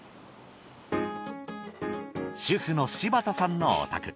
主婦の柴田さんのお宅。